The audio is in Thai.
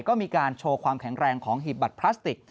ก็มีการโชว์ความแข็งแรงของหีบบัตรพลาสติก